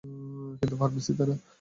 কিন্তু ফার্মেসিতে না।